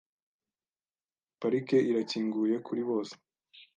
Parike irakinguye kuri bose .